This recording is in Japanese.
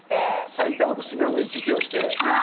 埼玉と渋谷の行き来をして。